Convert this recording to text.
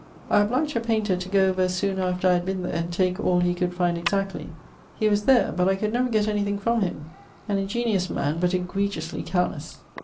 I obliged a painter to goe over soon after I had been there and take all he could find exactly. He was there, but I could never get anything from him: an ingeniose man, but egregiously carelesse.